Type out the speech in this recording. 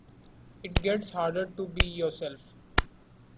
It gets harder to be yourself.